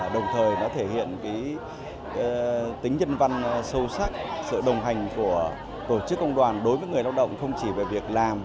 đồng thời nó thể hiện tính nhân văn sâu sắc sự đồng hành của tổ chức công đoàn đối với người lao động không chỉ về việc làm